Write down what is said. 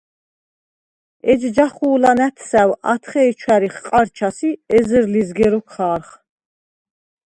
ეჯ ჯახუ̄ლა̈ ნა̈თსა̈ვ ათხე̄ჲ ჩვა̈რიხ ყა̈რჩას ი ეზერ ლიზგე როქვ ხა̄რხ.